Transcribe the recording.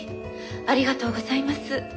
ありがとうございます。